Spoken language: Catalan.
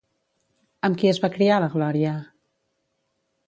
Amb qui es va criar la Gloria?